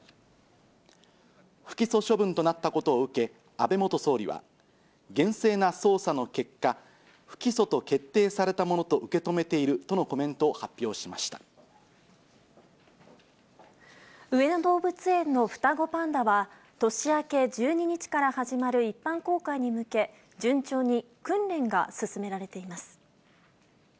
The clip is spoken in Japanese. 不起訴処分となったことを受け、安倍元総理は、厳正な捜査の結果、不起訴と決定されたものと受け止めているとのコメントを発表しま上野動物園の双子パンダは、年明け１２日から始まる一般公開に向け、順調に訓練が進められています。